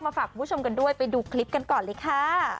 ฝากคุณผู้ชมกันด้วยไปดูคลิปกันก่อนเลยค่ะ